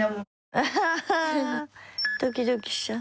ドキドキしちゃう。